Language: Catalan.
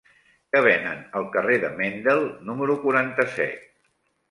Què venen al carrer de Mendel número quaranta-set?